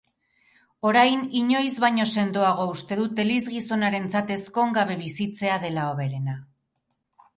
Orain inoiz baino sendoago uste dut elizgizonarentzat ezkongabe bizitzea dela hoberena.